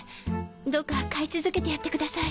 どうか飼い続けてやってください。